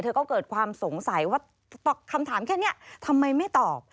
ก็เกิดความสงสัยว่าคำถามแค่นี้ทำไมไม่ตอบ